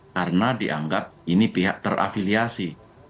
karena dianggap ini pihak terafiliasi